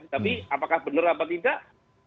tapi apakah benar atau tidak